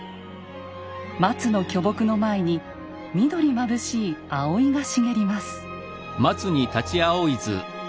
松の巨木の前に緑まぶしい葵が茂ります。